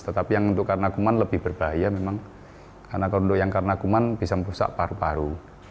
tetapi yang untuk karena kuman lebih berbahaya memang karena kondo yang karena kuman bisa merusak paru paru